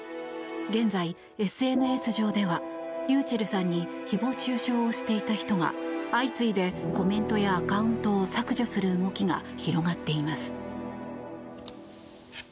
現在、ＳＮＳ上ではｒｙｕｃｈｅｌｌさんに誹謗・中傷をしていた人が相次いでコメントやアカウントを削除する動きが広がっています。